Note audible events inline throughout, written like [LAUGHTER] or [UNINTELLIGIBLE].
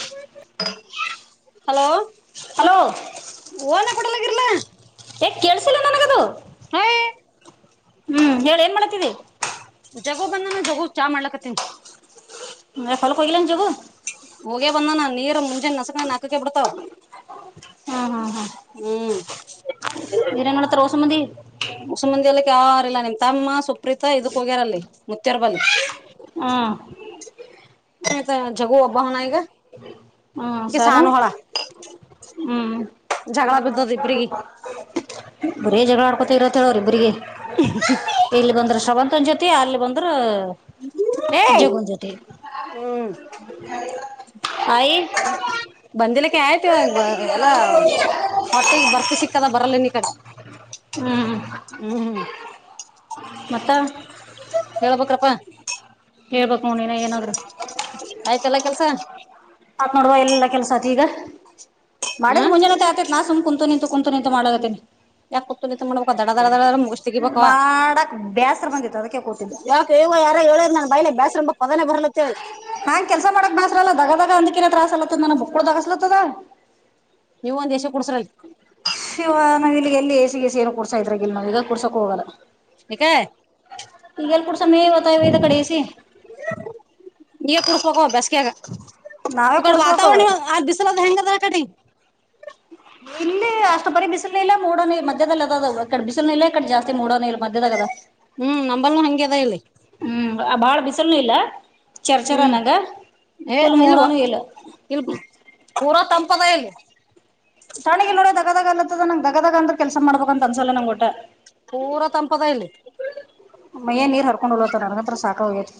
[UNINTELLIGIBLE] Hello hello ಓನ ಪಡಲ್ಲಕ್ಕರ್ಲ ಹೇ ಕೆೇಳಸಿಿಲ್ಲೋನ್ನನಕದು ಹ್ಮ್ ಹೇಳಿ ಏನ್ ಮಾಡತಿದಿ ಜಾಗು ಬಂದಾನ ಜಾಗು ಚಾ ಮಾಡ್ಲಕತ್ತನಿ ಹೇ ಫಲ ಹೊಗೆಲನಾ ಜಗು ಹೋಗೇ ಬಂದನ ನೀರ್ ಮುಂಜಾನೆ ನಸಕನ ನ್ನಕುಕಿ ಬಿಡ್ತಾವ್ ಹ್ಮ್ ಹ್ಮ್ ನೀರೆಂಗ ನೋಡುತ್ತಾ ಹೂಸು ಮಂಡೆ ಹೂಸು ಮಂಡೆ [UNINTELLIGIBLE] ಯಾರು ಇಲ್ಲ ನಿಮ್ ತಮ್ಮ ಸುಪ್ರೀತ ಇದಕ್ ಹೋಗ್ಯಾರಲ್ಲಿ ಮುತ್ತ್ಯರ್ ಬಲ್ಲಿ ಹಾ ಹದ ಜಗು ಒಬ್ಬನ ಈಗ ಹ್ಮ್ ಸಾನು ಕಿಸಾನ ಹಳ ಹ್ಮ್ ಜಗಳ ಬಿದ್ದ ದ ಇಬ್ರಿಗೆ [UNINTELLIGIBLE] ಬರೇ ಜಗಳಡ್ಕೋತತಿರತ್ತ ಹೇಳವರಿಬ್ರರಿಗೆ ಮಮ್ಮಿ [UNINTELLIGIBLE] ಮನ್ ಜೊತಿ ಅರ್ಲಿ ಬಂದ್ರ [UNINTELLIGIBLE] ಏ ಜಗುನ್ ಜೊತೆ ಹ್ಮ್ ಹಾಯ್ [UNINTELLIGIBLE] [UNINTELLIGIBLE] ಎಲ್ಲಾ ಮಟ್ಟಿಗೆ ಬರ್ತಿ ಸಿಕ್ಕದ ಬರಲ್ಲ ಕಡೆ ಹ್ಮ್ ಹ್ಮ್ [UNINTELLIGIBLE] ಮತ್ತ ಪಾ ಹೇಳ್ಬೇಕ ನೋಡು ನೀನೇ ಏನಾದ್ರು ಆಯ್ತಲ್ಲ ಕೆಲ್ಸ ಆತ್ ನೋಡುವ ಎಲ್ಲ ಕೆಲಸ ಆತಿ ಈಗ ಮಾಡಿದ್ರ್ ಹ್ಮ್ ಮುಂಜಾನತೆ ಆತತಿ ನಾ ಸುಮ್ಮನೆ ಕುಂತು ನಿಂತು ಕುೂಂತು ನಿು ಮಾಡತ್ತೇನೆ ಯಾಕ ಕತ್ಲ ಮಾಡ್ಬೇಕ ದಡ ದಡ ದಡ ಮುಗಿಸ ತಗಿಬೇಕವಾ ಮಾಡಕ್ ಬೇಸರ ಬಂದಿತ್ತು ಅದಕ್ಕೆ ಕೂತಿದ್ದ ಯ ದೇವ ಯಾರೋ ಹೇಳರ ನನ್ ಬೈಲೆ ಬೇಸಂಬ ಪದನೆ ಬರಲಾ ಅಂತ ಹೇಳಿ ಹಾಂಗೆ ಕೆಲ್ಸ ಮಾಡಕ್ ಬಸರು ಅಲ್ಲ ದಗದಗ ಅಂದಕಿನ ತತ್ರಾಸ ಅಲತ್ದ ನನ ಬುಕೋಲ್ ದಗಸ್ಲತ್ತದ ನೀವು ಒಂದ್ ಎಷ ಕುಡ್ಸ್ರೈ ಶಿವ ನಾವ್ ಇಲ್ಲಿ ಎಲ್ಲಿ ಎಸಿಗೆ ಎಸ ಏನು ಕೊಡ್ಸಾ ಇದ್ರೆ ಇಲ್ ನಾವ್ಗ ಕುಡ್ಸಕಕ್ೋಗಲ್ಲ ಏಕೆ ಈಗೆಲ್ಲ ಕೂಡ ಸಮಯವತ ಇ ಇದ ಕಡೆಿಸಿ [UNINTELLIGIBLE] ಈಗೆ ಕುಡಿಸಬೇಕು ಬಸ್ಗೆಾಗ ನಾವೇ ಇ ಕಡ ಕುಡ್ಸ್ಬೇಕು ವಾತಾವರಣ ಆ ದಬಿಸಿಲು ಹೆಂಗದ ಹ್ ಕಡೆ ಇಲ್ಲಿ ಅಷ್ಟು ಬರಿ ಬಿಸಿಲು ಇಲ್ಲ ಮೂಡಣ ಮಧ್ಯದಲ್ಲಿ ಅದದ ಕಡೆ ಬಿಸಿಲು ಇಲ್ಲ ಕಡೆ ಜಾಸ್ತಿ ಮೂಡಣ ಇಲ್ಲ ಮಧ್ಯದಾಗ ಅದ [UNINTELLIGIBLE] ಹ್ಮ್ ನಂಬಲ್ಲ ಹಂಗದ ಇಲ್ಲಿ ಹ್ಮ್ ಬಾಳ ಬಿಸಿಲುನು ಇಲ್ಲ ಚರ್ಚರ ಹ್ಮ್ ನಂಗ ಫುಲ್ ಮೂಣನು ಇಲ್ಲ ಪೂರ ತಂಪದ ಇಲ್ಲಿ ತಾನುಗ ನೋಡ್ರೆ ದಗದಾಗ ಅಲತ್ತದ ನಂಗಗೆ ದಗದಾಗ ಅಂದ್ರೆ ಕೆಲ್ಸ ಮಾಡ್ಬೇಕ ಅನ್ಸಲ್ಲ ನಂಗ್ ಗಊಟ್ಟ ಪೂರಾ ತಂಪದ ಇಲ್ಲಿ ಮೈಯನ್ ನೀರ್ ಹರ್ಕೊಂಡ್ ಹಲತ ನನ್ಗತ್ರ ಸಾಕ ಹೋಗ್ಯತ್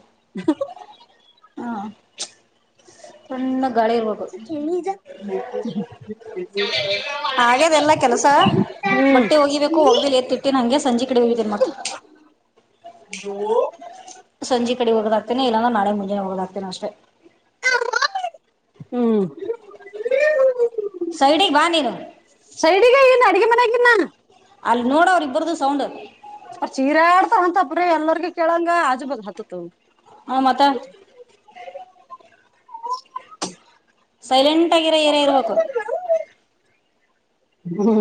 ಹಾ ಸನ್ [UNINTELLIGIBLE] ಆಗ್ಯದ ಎಲ್ಲಾ ಕೆಲಸ [INAUDIBLE] ಬಟ್ಟೆ ಹೋಗಿಬೇಕು ಹೊೋಗ್ದಲಿ ಎತ್ ಇಟ್ಟೇ ನ ಹಂಗೆ ಸಂಜೆ ಕಡೆ ಹಿದೀರ್ ಮತ್ತ ಜೂ [UNINTELLIGIBLE] ಸಂಜೆ ಕಡೆ ಹೋಗದಾಗ್ತೇನೆ ಇಲ್ಲಂದ್ರ ನಳೆ ಮುಂಜೆ ಹೋಗೋದಾಗ್ತನ ಅಷ್ಟೆ ಹ್ಮ್ [UNINTELLIGIBLE] ಸೈಡಿಗೆ ಬಾ ನೀನು [UNINTELLIGIBLE] ಸೈಡಿಗೆ ಇಲ್ಲ ಅಡಿಗೆ ಮನೆಾಗಿನ್ನ ಅಲ್ಲಿ ನೋಡೋ್ರ ಇಬ್ಬರದು ಸೌಂಡ್ ಅ ಚೀರ ಆಡ್ತಾವಂತಪ್ರಿ ಎಲ್ಲರ್ಗ ಕೇಳಂಗ ಆಜು ಬದ ಹತ್ತತ್ ಹ ಮಾತ ಸೈಲೆಂಟ್ ಆಗಿರ ಏರಿಯ ಇರ್ಬೇಕು ಹ್ಮ್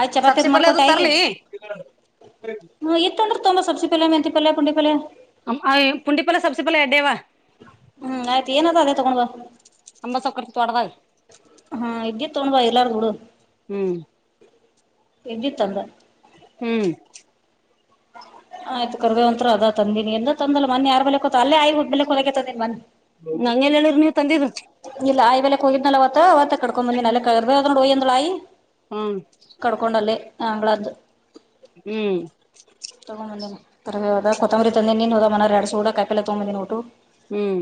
ಆಯ್ ಚಪಾತದ ಮಾಡ್ಕೊಟ್ಟ ಹೇಗೆ ಹಂ ತೊಂಡ್ರ ತುಂಬ ಸಸೆ ಮೆಹತಿ ಪಲ್ ಪು ಪುಂಡಿಪಲ್ಲ ಸಬ್ಸೆಪಲ್ಲ ಎಡ್ಡವಾ ಹ್ಮ್ ಆಯ್ತು ಏನದ ಅದೇ ತಗೊಂಡ್ ಅಮ್ಮ ಸೊಕ್ಕ್ರತಿ ತೊಡದ ತೊೊಂಡ ಬ ಎಲ್ಲಾರುೂಡು ಹ್ಮ್ ಎಜ ತಂದೆ ಹ್ಮ್ ಆಯ್ತು ಕರ್ದೇವಂತ್ರರು ಅದ ತಂದಿನಿ ಎಂದ ತಂದಲ್ಲ ಮನ್ೆ ಯಾರ್ ಬೇ ಅಲ್ಲೇ ಆಯ ಒಬಲೆ ಒಲಗತದೆ ಮನ್ ತಂದ ಇಲ್ಲ ಆ್ಲೆ ಹೋಗಿದ್ನ ಅವ ಅವತ್ತ ಕಕೊ ಬಂದಿನ ಒಯಂದ್ಳಾಯಿ ಹ್ಮ್ ಕಡ್ಕೊಂಡಲ್ಲೆ ಆಂಗ್ಗಳದ್ದು ಹ್ಮ್ ತರದ ಕೊತ್ತಂಬರಿ ತಂದೆ ನೀನು ಹೋದ ಮನ ಎರಡ್ ಸುಡ ಕಾಯಲೆ ತಗಂಬಿದಿನಿ ಟು ಹ್ಮ್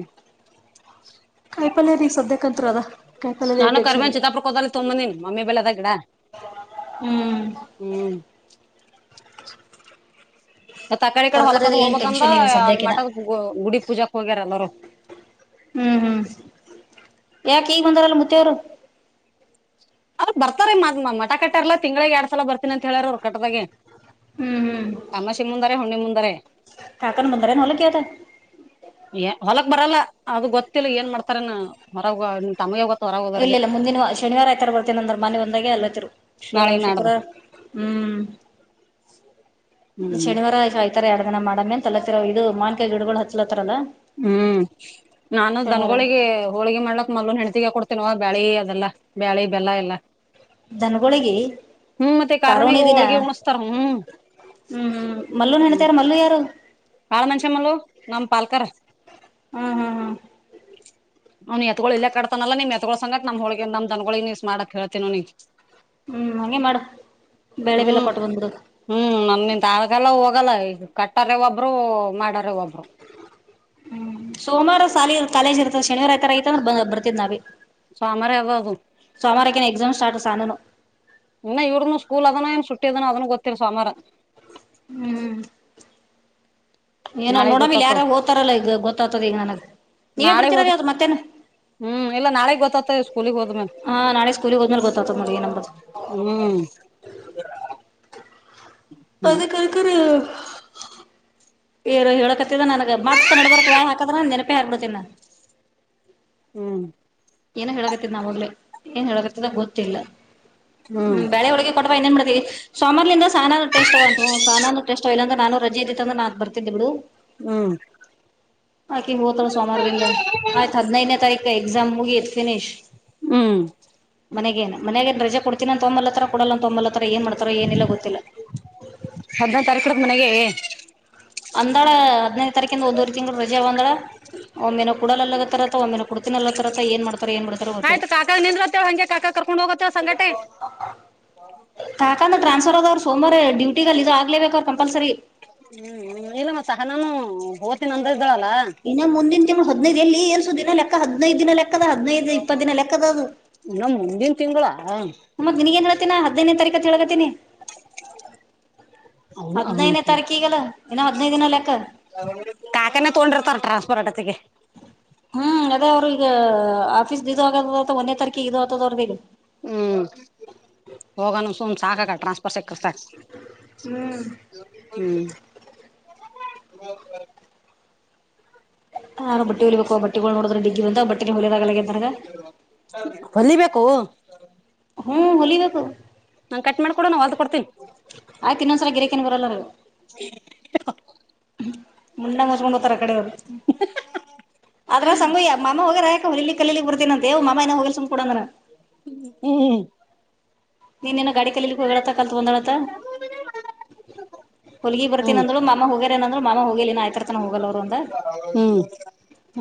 ಕಾಯಿ ಪಲ್ಯ ರೀ ಸದ್ಯಕಂತ್ತ್ರ ಅದ ಕಾಯಿಪಲ್ಯದ ನಾನು ಎಟು ಅಕ್ಷರಿ ಕರಿಬೇನ್ ಚಿತ್ತಾಪುರಕ್ ಹೋದಲ್ಲಿ ತೊಂಬಂದಿನಿ ಮಮ್ಮಿ ಬೆಳೆದ ಗಿಡ ಹ್ಮ್ ಹ್ಮ್ ತಕಾರಿ ಕಡೆ ತರಕಾರಿದ ಹೊಲ್ಕದ್ ಏನ್ ಹೋಗ್ಬೇಕಂದ ಟೆನ್ಷನ್ ಇಲ್ಲ ಸದ್ಯಕ್ಕಿನ ಮಟದ ಗುಡಿ ಪೂಜಾಕ್ ಹೋಗ್ಯಾರ ಎಲ್ಲರು ಹ್ಮ್ ಹ್ಮ್ ಯಾಕ ಈಗ ಬಂದಾರಲ್ಲ ಮತವರು ಅ್ರ್ ಬರ್ತಾರೆೀ ಮ ಮಠ ಕಟ್ಟಿರ್ಲ್ಲ ತಿಂಗಂಳಗ್ ಎರಡ್ ಸಲ ಬರ್ತೀನಿಂತ ಹೇಳಾರ ಅವ್ರು ಕಟ್ಟದಾಗೆ ಹ್ಮ್ ಹ್ಮ್ ತಮಾಸಿ ಮುಂದಾರೆ ಹುಣ್ಣಿ ಮುಂದರೇ ಕಾಕನ್ ಬಂದಾರೇನ್ ಹೊಲಕ್ ಇವತ್ತ ಹೊಲಕ್ ಬರಲ್ಲ ಅದು ಗೊತ್ತಿಲ್ಲ ಏನ್ ಮಾಡ್ತಾರನ ಹೊರಗ ತಮ್ಮಯ ಗೊತ್ತ ಹೊರಗ ಇಲ್ಲ ಹೋದರ್ಗೆ ಇಲ್ಲ ಮುಂದಿನ ಶನಿವಾರ ಆಯ್ತರ ಬರ್ತೇನ ಅಂದ್ರ ಮನೆ ಒಂದಾಗೆ ಅಲ್ಲತ್ತರು ಶ ನಾಳೆಗ್ ನಾಡ್ದ ಶುಕ್ರವಾರ ಹ್ಮ್ [UNINTELLIGIBLE] ಹ್ಮ್ ಶನಿವಾರ ಆ್ತರ ಎರಡು ದಿನ ಮಾಡಮ್ಮೇನ್ ತಲತ್ತಿರ ಇದು ಮಾನ್ಕ ಗಿಡಗಳು ಹಚ್ಲ ಹ್ಮ್ ನಾನು ಶನಿವಾರ ದನ್ಗಳಿಗೆ ಹೋಳಿಗೆ ಮಾಡ್ಲತ್ ಮಲ್ನ್ ಹೆೆಣತಿಗೆ ಕೊಡ್ತೇನ ಬೆಳೆ ಅದೆಲ್ಲ ಬೆಳೆ ಬೆಲ್ಲ ಅದೆಲ ದನಗಳಿಗೆ ಹ್ಮ್ ಮತ್ತೆ ಕಾರಣೇ ಕಾರೋಣಿ ದಿನ ಹೋಳ್ಗೆ ಉಣಸ್ತಾರ ಹ್ಮ್ ಹ್ಮ್ ಹ್ಮ್ ಮಲ್ಲುನ ಹ್ಮ್ ನಣತಾರ ಮಲ್ಲು ಯಾರು ಬಾಳ ಮಷಮ್ಮಳ ನಮ್ಮ ಪಾಲ್ಕರ ಹ್ಮ್ ಹ್ಮ್ ಹ್ಮ್ ನ ಎತ್ಗಳು ಇಲ್ಲೇ ಕಟ್ಟಾನಲ್ಲ ನಿಮ್ಮ ಎತುಗಳು ಸಂಘಕ್ ನಮ್ಮ ದನಗಳು ನೀಸ್ ಮಾಡಕ್ ಹೇಳ್ತೀನಿ ಹ್ಮ್ ಹಾಗಗೆ ಮಾಡು ಬೆಳೆ ಬೆಲ್ಲ ಹ್ಮ್ ಕೊಟ್ಟು ಬಂದುಬಿಡು ಹ್ಮ್ ನನ್ ನಿನ್ ಆಗಲ್ಲ ಹೋಗಲ್ಲ ಇ ಕಟ್ಟಾರೆ ಒಬ್ರು ಮಾಡರೆ ಒಬ್ರು ಹ್ಮ್ ಸೋಮವಾರ ಸಾಲಿ ಕಾಲೇಜ್ ಇರ್ತ ಶನಿವಾರ ಐತಂದ್ರೆ ಬರ್ತಿದ್ ನಾವಿ ಸೋಮಾರಿ ಅದ ಅದು ಸೋಮಾವಾರ ಎಕ್ಸಾಮ್ ಸ್ಟಾರ್ಟ್ ಸಾನುದು ಇನ್ನ ಇವ್ರನು ಸ್ಕೂಲ್ ಅದನ ಏನ್ ಸುಟ್ಟಿದನ ಅದನ್ ಗೊತ್ತಿರ್ ಸೋಮವಾರ ಹ್ಮ್ ಏನೋ ನಾಳೆಗ್ ನೋಡಮಲ್ ಗೊತ್ತಾತದ ಯಾರ ಓ್ತಾರಲ್ಲ ಈಗ ಗೊತ್ತಾಗ್ತದ ಈಗ ನನಗ ನೀವೇ ನಾಳೆ ಬರ್ತೀರ ಹೋದ್ರ ಯಾವ್ದ್ ಮತ್ತೇನು ಹ್ಮ್ ಎಲ್ಲ ನಾಳೆ ಗೊತ್ತ ಸ್ಕೂಲ್ ಗೆ ಹೋದ್ಮೇಲೆ [INAUDIBLE] ಹಾ ನಾಳೆ ಸ್ಕೂಲಿಗೆ ಹೋದ್ಮೇಲೆ ಗೊತ್ತಾಗ್ತದ ನೋಡಿ ಏನ್ ಅಂಬದು ಹ್ಮ್ ಅದೇ ಅಕ್ಕರೆ ಏರು ಹೇಳಕತಿದ ನನ್ಗ ಮತ್ ನಡ್ವರ್ಕ್ ವಾಯ್ ಹಾಕದ್ರನ ನೆನಪಿ ಹಾರಬಿಡ್ತಿನ ಹ್ಮ್ ಏನ ಹೇಳಕತ್ತಿದ ನಾವಾಗ್ಲಲೆ ಏನ್ ಹೇಳಕತ್ತದ ಗೊತ್ತಿಲ್ಲ ಹ್ಮ್ ಬೆಳೆ ಹೋಳಿಗೆ ಕೊಟ್ಟಿ ಬಾ ಇನೇನು ಮಾಡತವಿ ಸಾಮಾರ್ಲಿಂದ ಸಾನು ಟೇಸ್ವ ಅಂದೇ ಅಂತವು ಸನಾನ ಟಸ್ವ ಇಲ್ಲಂದ್ರ ನಾನು ರಜೆ ಇದ್ದಿತು ಅಂದ್ರೆ ಅ ಬರ್ತಿದ್ದೆ ಬಿಡು ಹ್ಮ್ ಆಕೆ ಹೋಗತಾರ ಸೋಮವಾರದಿಂದ ಆಯ್ತು ಹದ್ನೈದನೇ ತಾರೀಕು ಎಕ್ಸಾಮ್ ಮುಗಿಯತ್ ಫಿನಿಶ್ ಹ್ಮ್ ಮನೆ ಮನೆಗೆ ಇನ್ನಿ ರಜೆ ಕೊಡ್ತೀನಂತ ತೊಂಬಲತ್ತರ ಕೊಡಲ್ಲ ಒ ತೊಂಬಲತ್ತರ ಏನ್ ಮಾಡ್ತಾರ ಏನಿಲ್ಲ ಗೊತ್ತಿಲ್ಲ ಹದ್ನೇ ತಾರೀಕಡದ ಮನೆಗೆ ಅಂದಾಳ ಹದಿ ನೈದು ತಾರೀಕಿಂದ ಒಂದೂವರೆ ತಿಂಗಳು ರಜೆೆ ಅಂದಾಳ ಒಮ್ಮೆನೆ ಕೊಡಲ್ಲಗತ್ತಾರರ ಒಂದ್ನೆ ಕುಡ್ತಿನನ ಅಲ್ಲತ್ತರ ಏನ್ ಮಾಡ್ತಾರ ಏನ್ ಮಾಡ್ತಾರ ಗೊತಿನ ಆಯ್ತು ಕಾಕಾಗ ಹಂಗೆ ಕಾಕಾ ಕರ್ಕೊಂಡ್ ಹೋಗತ್ತ ಸಂಗಟೆ ಸೋಮಾವಾರ ಡ್ಯೂಟಿಗಲ್ಲದು ಆಗ್ಲೇಬೇಕಪ್ಪ ಹ್ಮ್ ಇಲ್ಲ ಮ ಸಹ ನಾನು ಭೋತಿನ ಅಂದ ಇದ್ದಾಳಲ್ಲ ಇನ್ನು ಮುಂದಿನ ದಿನ ಹದ್ನೈದು ಎಲ್ಲಿ ಏರ್ಸ ದಿನ ಲೆಕ್ಕ ಹದಿನೈದು ದಿನ ಲೆಕ್ಕದ ಹದಿನೈದು ಇಪ್ಪತ್ತು ದಿನ ಲೆಕ್ಕದ ಅದು ಇನ್ನ ಮುಂದಿನ ತಿಂಗಳ ಹ ಮತ್ತೆ ನಿನಗೆ ಏನ್ ಹೇಳ್ತೀನ ಹದಿನೈನೇ ತಾರೀಕ ಹತ್ ಹೇಳ್ಕತನಿ ಅವನು ಹದ್ನೈನೇ ತಾರೀಕು ಈಗಲ್ಲ ಏನ ಹದ್ನೈದ ದಿನ ಲೆಕ್ಕ ಕಾಕಾನೆ ತಗೊಂಡಿರ್ತಾರ ಟ್ರಾನ್ಸ್ಪರ್ ಆಟತ್ತಗೆ ಹ್ಮ್ ಅದೇ ಅವ್ರರು ಈಗ ಆಫೀಸ್ ಇದ ಆಗದ ಒಂದೇ ತಾರೀಕಿಗೆ ಇದ ಆಗ್ತದ ಅವ್ರದ ಇಗ ಹ್ಮ್ ಹೋಗಾನ ಸುಮ್ ಸಾಕಾಗ ಟ್ರಾನ್ಸ್ಫರ್ ಸೆ ಹ್ಮ್ ಹ್ಮ ಹ್ಮ ಯಾರು ಬಟ್ಟೆ ಹೊಲಿಬೇಕು ಬಟ್ಟಿಗಳು ನೋಡೋ್ರ ಡಿಗ್ಗಿ ಬಂತ ಬಟ್ಟೆ ಹೊಲಿಯದಾಗಲ ನನಗ ಹೊಲಿಬೇಕು ಹ್ಮ ಹೋಲಿಬೇಕು ನಾ ಕಟ್ ಮಾಡಕೊಡ ನಾನು ಹೊಲಿದುಕೊಡ್ತೀವಿ ಆಯ್ ಇನ್ನೊಂದ್ಸ ಗಿರಿಕೇ ಬರಲ್ಲರು ಹ ಮುಂಡಂಗ ಮುಚ್ಕೊಂಡ್ ಹೋಗ್ತಾರ ಕಡೆರು ಅದ್ರ ಸಂಯ ಮಾಮ ಹೋಗಾರ ಲ್ಲಿ ಕಲ್ಲಿ ಬರ್ತಿನಂತೆ ಮಾಮ ಹ ಹ್ಮ್ ನೀನ್ನ ಗಾಡ ಕಲ್ಲಿ ಇಕ್ಕೆ ಹೋಗಡತ ಕಲ್ತ್ ಬಂದಾಡತ ಹ ಪುಲ್ಗಿ ಬರ್ತೀನ ಅಂದ್ರು ಮಾಮ ಹೋಗ್ಯಾರ ಅಂದ್ರು ಮಾಮ ಹೋಗಿಲಿ ನಾ್ತರ ತನ ಹೋಗಲ್ ಅವರುಂದ ಹ್ಮ್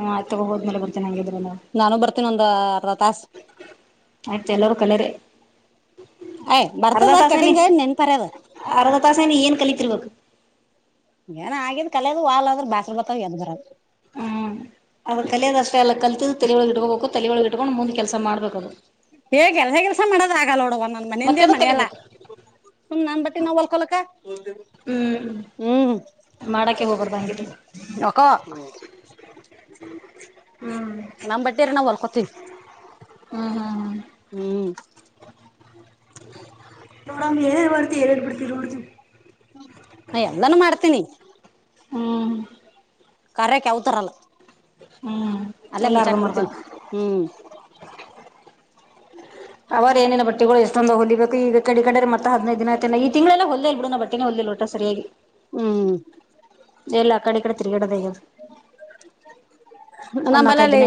ಹಾ ತಗೋ ಹೋದ್ಮೇಲೆ ಬರ್ತೇನೆ ಹಂಗಿದ್ರಲ್ಲ ನಾನು ಬರ್ತೀನಿ ಒಂದ್ ಅರ್ಧ ತಾಸ ಆಯ್ತು ಎಲ್ಲರೂ ಕಲರೆ ಆಯ್ ಬರ್ತದ ತಾಸೇನಿ ಕಟಿಂಗ ನೆನ್ಪರ್ಯದ ಅರ್ಧ ತಾಸೇನ ಏನ್ ಕಲಿತಿರ್ಬೇಕು ಏನ ಆಗಿದ್ ಕಲದ್ ವಾಲ್ ಅಂದ್ರೆ ಬ್ಯಾಸ್ರ ಬತಾವ ಎದ್ ಬರ ಹ್ಮ್ ಅವ ಕಲಿಯೋದಷ್ಟೇ ಅಲ್ಲ ಕಲ್ತಿದ್ದ್ ತಲಿಯೊಳಗೆ ಇಡ್ಕೋಬೇಕು ತಲಿಯೊಳಗೆ ಕಟ್ಕೊಂಡು ಮುಂದ ಕೆಲಸ ಮಾಡ್ಬೇಕು ಅದು ಹೇ ಕೆಲಸ ಕೆಲಸ ಮಾಡೋದ ಆಗಲ್ಲ ನೋಡವ ನ ಮನೆಯಿಂದೇ ಮತ್ತೆದು ಮನೆಯಲ್ಲ ಕಲಿಬೇಕು ಸು್ ನನ್ ಬಟ್ಟಿ ನಾವ್ ಹೊಲ್ಕೊಲಕ್ಕ ಹ್ಮ ಮಾಡಕ್ಕೆ ಹೋಗ್ಬರ್್ದ ಹಂಗ ಒ ಹ್ಮ್ ನಮ್ಮ್ ಬಟ್ಟೆರ ನಾವವು ಹೊಲ್ಕೋತೀವಿ ಹ್ಮ್ ಹ್ಮ್ ಹ್ಮ್ ಹ್ಮ್ ನಮ್ [UNINTELLIGIBLE] ಬಿಡ್ತೀೋಡ್ ನ ಎಲ್ಲಾನೂ ಮಾಡ್ತೀನಿ ಹ್ಮ್ ಕಾರರಕ್ ಯಾವತಾರಲ್ಲ ಹ್ಮ್ ಅಲ್ಲೇ ಎಲ್ಲ ಮುಚಾಕ್ ಅರ್ಧಂಬರ್ದ ಬಿಡ್ತೀನಿ ಹ್ಮ್ [INAUDIBLE] [UNINTELLIGIBLE] ಅವರ ಏೇನ ಬಟ್ಟಿಗಳು ಎಷ್ಟೊಂದ ಹೊಲಿಬೇಕು ಈಗ ಕೆಡಿಗಡೆ ಮತ್ತ ಹದಿನೈ ದಿನನ ಈ ತಿಗಳೆಲ್ಲ ಹೊಲ್ಲೇ ನ ಬಟ್ಟೆೇ ದಿಲ್ಲೋಟ ಸರಿಯಾಗಿ ಹ್ಮ್ ಎಲ್ಲ ಕಡೆ ತಿಗಡ ಒಂದ್ ನಾಲ್ಕೈದು ನಂಬಲಲ್ಲಿ ದಿನ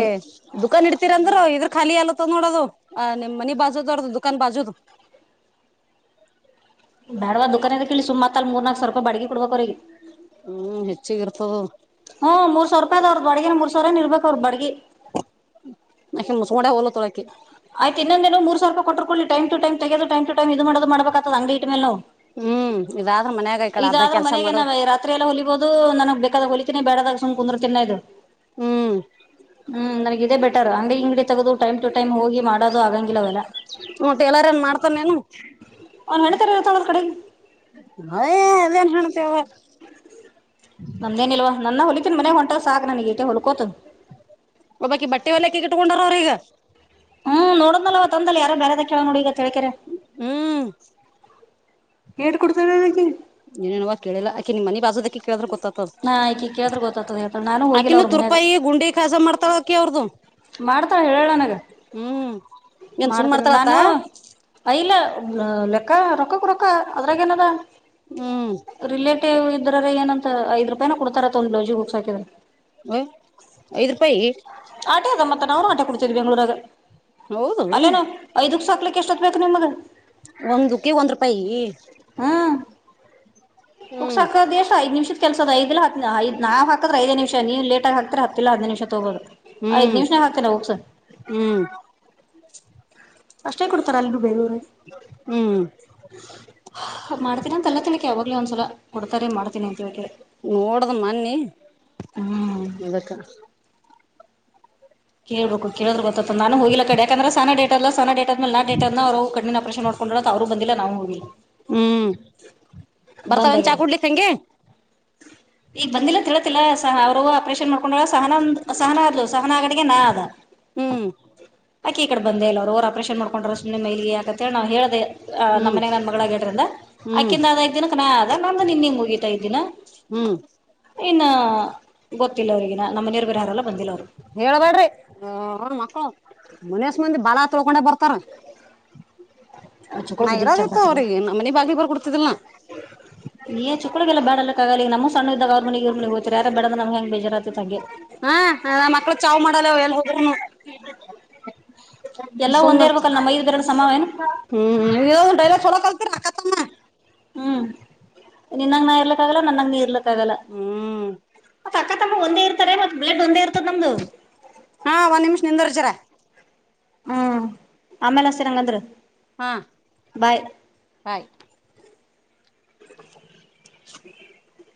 ದುಖಾನ್ ಇಡ್ತೀರಂದ್ರರು ಇದ್ರ ಖಾಲಿ ಅಲ್ಲ ನೋಡೋದು ಅ ನಿಮ್ಮ್ ಮನಿ ಬಾಜು ನೋಡದು ದುಕಾನ್ ಬಾಜುದು ಬಡ ದದುಕಾನದ ಕೇಳಿ ಸುತ್ ಅ ಮೂರ್ನಾಕ ಸಾವರ ರೂಪಿಡಿಗೆ ಹ್ಮ್ ಹೆಚ್ಚಿಗ ಇರ್ತದ ಹ ದ ಅವ್ರ ಬಡಗ ಮೂರ್ ಸಾವಿರ ನಿರ್ಬೇಕ ಅವ್ರ ಬಡಿಗೆ ಕ್ಕೆ ಆಯ್ತು ಇನ್ನೊಂದು ಮೂರ್ ಸಾವರ್ಪ ಕೊಟ್ಟಕೊಳ್ಳಿ ಟೈಮ್ ಟು ಟೈಮ್ಮ ತಗದು ಟೈಮ್ ಟು ಟೈಮ್ಮ ಇದು ಮಾಡದು ಮಾಡಬೇಕತ್ತ ಅಂಗಡಿ ಇಟ್ಟ ಮೇಲೆ ನಾವು ಹ್ಮ್ ಇದಾದ ಇದಾದ್ರರು ಮನೆಗೆ ನಾವ ರಾತ್ರಿ ಎಲ್ಲಾ ಹೊಲಿಬಹದು ನನಗ್ ಬೇಕಾದ ಹೊಲಿತೀಿನನೆ ಬೇಡದಾಗ ಸುಮ್ ಕುಂದ್ರರು ತಿನ್ನ ಇದು ಹ್ಮ್ ಹ್ಮ್ ನನಗೆ ಇೇ ಬೆಟರ್ ಹಂಗ ಹಂಗಡಿ ತದು ಟೈಮ್ ಟ ಟೈ್ ಹಿ ಮಾಡೋದು ಆಗಂಗಿಲ್ಲವಲ್ಲ ಹ್ಮ ಟೇಲರ್ ಏನ್ ಮಾಡ್ತಾನೇನು ಅವ್ನ್ ಹೆಣ್ತರ ಇರ್ತಾಳ ಕಡೆಗೆ ಏದನು ಹಣ್ಣ ತವ ನಮೇನಲ್ವಾ ನನ್ನ ಹೊಲಿತೀನ್ ಮನೆ ಹೊಂಟ ಸಾಕಕ್ ನನಗ ಟ ಹೊಲ ಒಬಾಕಿ ಬಟ್ಟೆ ಎಲ್ಲ ಕ ಇಟ್ಕೊಂಡಾರ ಅವ್ರ ಈಗ ಹ್ಮ್ ನೋಡೋವ ತಂದಲ್ಲ ಯಾರ ಬೇರೆರದಾ ನೋಡಗ ಹ್ಮ್ ಹೇಳ್ ಕೊಡ್ತೇವೆ ನಗೆ ಏನೇನವ ಕೇಳಿಲ್ಲಾಕೆ ನಿಮ್ಮ ಮನೆ ಬಾಸೋದಕ್ಕೆ ಕೇಳಿದ್ರೆ ಗೊತ್ತತದ ನಾ ಈಕಿ ಕೇಳಿದ್ರ ಗೊತ್ತಾತದ ಹೇಳ್ತಾಳ ನಾನು ಆಕಿನ ತುರ್ಪಾಯ ಗುಂಡಿ ಕಾಸ ಮಾಡ್ತಾಳ ಆಕಿ ಅವ್ರದು ಮಾಡ್ತ ಹೇಳಳನಾಗ ಹ್ಮ್ ಏನ್ ಸುಮ್ ಮಾಡ್ತೇನ ಮಾಡ್ತಾಳತ್ತ ನಾನುಲ್ಲ ಲೆಕ್ಕ ರೊಕ್ಕಕ್ ರೊಕ್ಕ ಅದ್ರಾಗ ಏನದ ಹ್ಮ್ ರಿಲೇಟಿವ್ ಇದ್ರ ಏನಂತ ಐದು ರೂಪಾಯ ಕೊಡ್ತಾರ ಒಂದು ಲೋಜಿ ಹುಸ್ ಹಾಕಿದೆ ಹ ಐದ್ ರೂಪಾಯಿ ಆಟೆ ಅದ ಮತ್ತ ನರು ಆಟೆ ಕೊಡ್ತೇರಿ ಬೆಂಗ್ಳೂರಾಗ ಹೌದು ಅಲ್ಲೇನು ಐದಕ್ ಸಾಕ್ಲಿ ಎಷ್ಟೊತ್ ಬೇಕು ನಿಮ್ಗೆ ಒಂದುಕ್ಕೆ ಒಂದ್ ರೂಪಾಯಿ ಹ ಹ್ಮ್ ಸಾಕ ದೇಶ ಐದು ನಿಮಿಷ ಕೆಲ್ಸದ ಐದ ಹ ಐದು ನಾ ಹಾಕಿದ್ರಐದು ನಿಮಿಷ ನೀವುೇಟಗ ಹಕ್ತ್ಹಿಲ್ಲ ಹದಿನ ನಿಮಿಷ ತಗೋದು ಐದ್ ಹ್ಮ್ ನಿಮಷನಾಗ ಹಾಕ್ತೇನ ಹೋಗಸರ್ ಹ್ಮ್ ಅಷ್ಟೇ ಕೊಡ್ತಾರೆ ಅಲ್ರೂ ಬೇು ಹ್ಮ್ ಮಾಡ್ತೀನ ತಲ್ಲ ತಿಳಕ್ಕೆ ಯಾವ ಒಂದ್ಸಲ ಕೊಡ್ತ ಮಾಡ್ ನೋಡ್ದ ಮೊನ್ನಿ ಹ್ಮ್ ಅದಕ್ಕ ಕೇಳ್ಬೇಕು ಕೇಳಿದ್ರ ನಾನು ಹೋಗಿಲ್ಲ ಕಡೆ ಯಕಂದೆ ಸಾನ ಡೇಟ್ ಆದ್ಮೇಲೆ ನಾನ್ ಡೇಟ್ ಆದ್ಮೇ ನ ಅನ ಅವರು ಕಣ್ಣಿನ ಆಪರೇನ್ ಮಾಡಕೊಂಡಿ ಅವರು ಬಂದಿಲ್ಲ ನಾವು ಹೋಗಿಲ್ಲ ಹ್ಮ್ ಬರ್ತಾವಂ ಚಾಕ್ ಬಂದಾಗ್ಯದ ಕೊಡ್ಲಿಕ್ಕೆ ಹಂಗೆ ಈಗ ಬಂದಿಲ್ಲ ತಿಳತಿಲ್ಲ ಸ ಅವ್ರ ಆಪರೇಷನ್ ಮಾಡ್ ಸಹನ ಸಹನ ಸಹನ ಆಗಿಗೆ ನಾ ಅದ ಹ್ಮ್ ಆಕ್ಕ ಈ ಕಡೆ ಬಂದ ಎಲ್ಲ ಅವರುರ್ ಆಪರೇನ್ ಮಾಡ್ಕೊಂಡ್ರ ಸುಮ್ಮನೆ ಮೈಲಿ ಯಾಕಂತ ಹೇಳ ನಾವು ಹೇಳೆ ಆ ನಮ್ಮ ಹ್ಮ್ ಮನ್ಯಾಗ ನನ್ ಮಗಳಗಡ್ರಿಂದ ಹ್ಮ್ ಆ್ಕದ ಅ ಐಕ ದಿನ ಕನ ಅದ ನಮ್ದ ನಿನ್ ಹಂಗ ಹೋಗೀತಾಐದ್ನ ಹ್ಮ್ ಇನ್ನ ಗೊತ್ತಿಲ್ಲ ಅವರಿಗೆ ಹೇಳಬೇಡ್ರಿ ಮಕ್ಕಳು ಮನಸ್ ಮಂದಿ ಬಲ ತೊಳ್ಕೊಂಡೆ ಬರ್ತಾರ ಚುಕ್ಕಳ ನಾ ಬುದ್ಧಿಗ್ ಇರೋದ ಚಂದ ಇತ್ತು ಸಿಗೋಣ ಅವ್ರಿಗೆ ನಮ್ಮ ಮನೆ ಬಾಗಿ ಬರ್ ಕೊಡ್ತಿದಲ್ ಮಕ್ಕಳಿಗೆಲ್ಲ ಬಡಕ್ಕಗಲಿ ನಮ್ಮ ಸಣ್ಣ ಇದಾಗ ಅವ್ರ ಮಿಗವ್ಗೆ ಹೋಗತಾರೆ ಯಾರ ಬಡ ನಮಗೆ ಹೆಂಗೆ ಬಜಾರತ್ತೆಗ್ಗೆ ಹಾ ಮಕ್ಳು ಚಾವು್ ಮಾಡಲ್ಲ ಎಲ್ ಹದ್ರೂನು ಎಲ್ಲ ಸುಮ್ಮ ಒಂದೇ ಇರ್ಬೇಕಲ್ಲ ನಮ್ಮ ಐದು ಬೆರಳು ಸಮಾವ ಏನು ಹ್ಮ್ ಡೈಲ ಚಲೋ ಕಲ್ಪರಾಕ ಹ್ಮ್, ನಿನ್ನಂಗ, ಹೇಳೋಕೆ, ಹಾಗಲ, ಮಾರುತೂ. ಹ್ಮ್ [UNINTELLIGIBLE] ಅಕ್ಕ, ತಮ್ಮ, ಒಂದೇ, ಇರ್ತಾರೆ! ಬೆರೆಯಿಂದು. [UNINTELLIGIBLE] ಹಾ, ಒಂದ್ ನಿಮಿಷ ನಿಂದರ್ಜ್ರ, ಸರ್. [UNINTELLIGIBLE] ಹ್ಮ್, ಆಮೇಲೆ, ಸರ್, ಹ್ಯಾಂಗ್ವಾಂಡ್ರು. [UNINTELLIGIBLE] ಹಾ, ಹಾಯಿ. [UNINTELLIGIBLE] [UNINTELLIGIBLE] [INAUDIBLE]